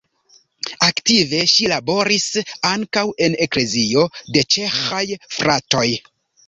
Aktive ŝi laboris ankaŭ en Eklezio de Ĉeĥaj Fratoj.